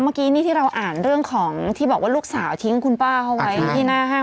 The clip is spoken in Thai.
เมื่อกี้นี่ที่เราอ่านเรื่องของที่บอกว่าลูกสาวทิ้งคุณป้าเขาไว้ที่หน้าห้าง